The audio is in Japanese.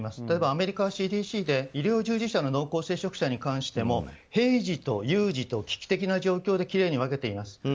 例えば、アメリカＣＤＣで医療従事者の濃厚接触者に関しても平時と有事と危機的な状況できれいに分けています。